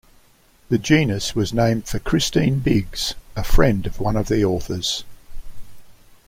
The genus was named for Christine Biggs, a friend of one of the authors.